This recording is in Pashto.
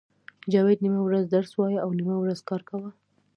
جاوید نیمه ورځ درس وایه او نیمه ورځ کار کاوه